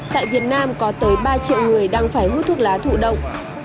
tại việt nam có tới ba triệu người đang phải hút thuốc lá thụ động